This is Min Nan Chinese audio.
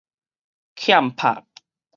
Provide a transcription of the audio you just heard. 欠拍